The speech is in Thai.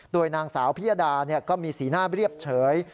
โดยนางสาวพิยดาก็มีสีหน้าเรียบเฉย